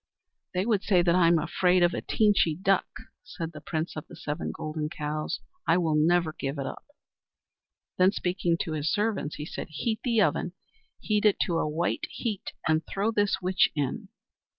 "They would say that I am afraid of a Teenchy Duck," said the Prince of the Seven Golden Cows. "I will never give it up." Then, speaking to his servants, he said: "Heat the oven, heat it to a white heat, and throw this witch in."